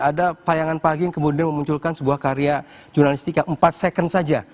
ada tayangan pagi yang kemudian memunculkan sebuah karya jurnalistik empat second saja